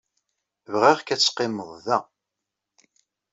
Bɣiɣ-k ad teqqimed da.